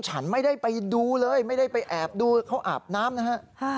ฉันไม่ได้ไปดูเลยไม่ได้ไปแอบดูเขาอาบน้ำนะฮะ